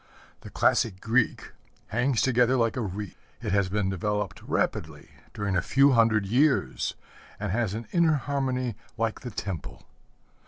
The classic Greek hangs together like a wreath. It has been developed rapidly, during a few hundred years, and has an inner harmony like the temple.